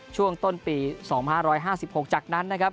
ช่วงต้นปี๒๕๕๖จากนั้น